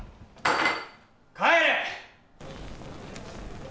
帰れ！